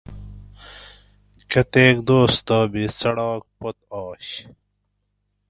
کۤتیک دوس تہ بھی څڑاک پت آش